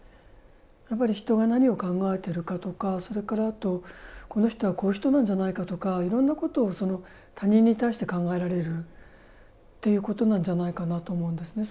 やっぱり人が何を考えてるかとかそれからあとこの人はこういう人なんじゃないかとかいろんなことをその他人に対して考えられるということなんじゃないかなと思うんですね。